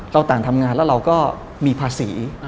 ต่างทำงานแล้วเราก็มีภาษี